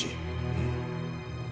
うん。